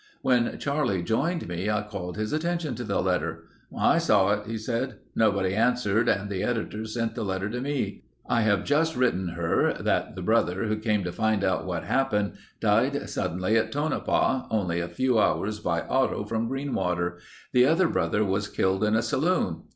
When Charlie joined me I called his attention to the letter. "I saw it," he said. "Nobody answered and the editor sent the letter to me. I have just written her that the brother who came to find out what happened, died suddenly at Tonopah, only a few hours by auto from Greenwater. The other brother was killed in a saloon.